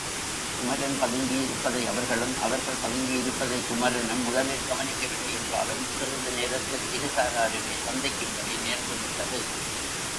குமரன் பதுங்கியுருப்பதை அவர்களும், அவர்கள் பதுங்கியிருப்பதை குமரனும் முதலில் கவனிக்கவில்லை என்றாலும் சிறிது நேரத்தில் இருசாராருமே சந்திக்கும்படி நேர்ந்துவிட்டது.